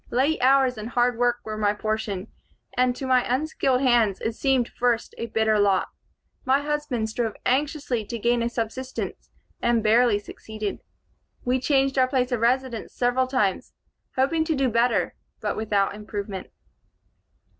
Late hours and hard work were my portion, and to my unskilled hands it seemed first a bitter lot. My husband strove anxiously to gain a subsistence, and barely succeeded. We changed our place of residence several times, hoping to do better, but without improvement.